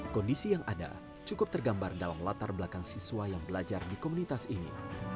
kondisi yang ada cukup tergambar dalam latar belakang siswa yang belajar di komunitas ini